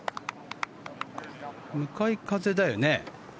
向かい風だよね。